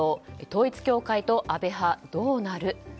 統一教会と安倍派、どうなる。